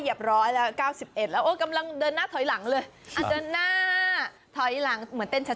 เย็บร้อยแล้ว๙๑แล้วกำลังเดินหน้าถอยหลังเลยเดินหน้าถอยหลังเหมือนเต้นช่า